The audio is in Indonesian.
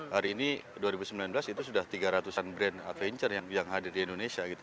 hari ini dua ribu sembilan belas itu sudah tiga ratus an brand adventure yang hadir di indonesia gitu